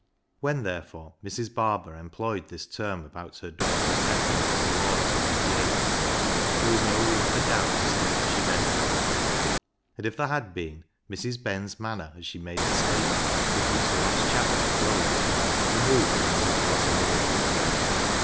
When, therefore, Mrs. Barber employed this term about her daughter's sentiments towards Luke Yates, there was no room for doubt as to what she meant by it. And if there had been, Mrs. Ben's manner as she made the statement with which the last chapter closed removed any such possibility.